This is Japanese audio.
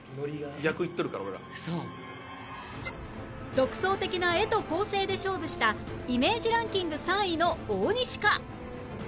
独創的な絵と構成で勝負したイメージランキング３位の大西か？